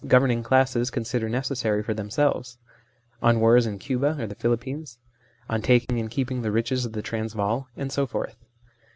governing classes consider necessary for themselves : on wars in Cuba or the Philippines, on taking and keeping 8o THE SLAVERY OF OUR TIMES the riches of the Transvaal, and so forth.